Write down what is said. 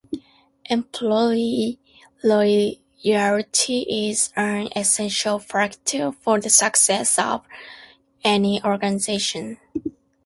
Employee loyalty is an essential factor for the success of any organization.